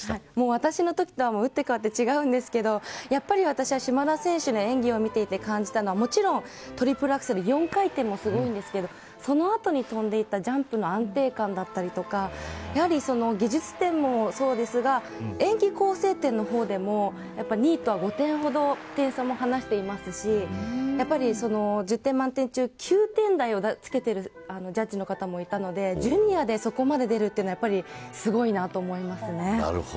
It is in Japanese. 私のときとは打って変わって違うんですけどやっぱり私は島田選手の演技を見ていて感じたのはもちろん、トリプルアクセル４回転もすごいんですけどその後に跳んでいたジャンプの安定感だったりとか技術点もそうですが演技構成点の方でも２位とは５点ほど点差も離していますし１０点満点中９点台をつけているジャッジの方もいたのでジュニアでそこまで出るのはすごいなと思います。